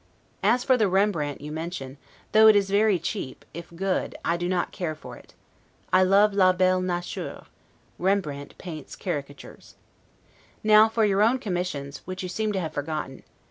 As for the Rembrandt you mention, though it is very cheap, if good, I do not care for it. I love 'la belle nature'; Rembrandt paints caricatures. Now for your own commissions, which you seem to have forgotten.